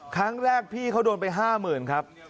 ครั้งแรกพี่เขาโดนไป๕๐๐๐ครับ